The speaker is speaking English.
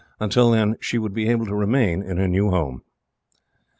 Until then she would be able to remain in her new home.